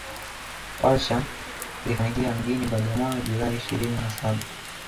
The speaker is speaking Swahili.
Warsha ilifanyikia mjini Bagamoyo July ishirini na Saba